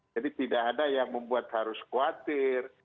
jadi tidak ada yang membuat harus khawatir